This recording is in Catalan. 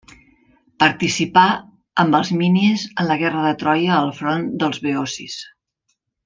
Participà, amb els Minies, en la guerra de Troia al front dels beocis.